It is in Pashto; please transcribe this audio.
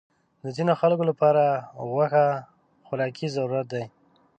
د ځینو خلکو لپاره غوښه خوراکي ضرورت دی.